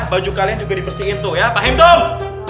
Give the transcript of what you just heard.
baju kalian juga di persihin tuh ya paham dong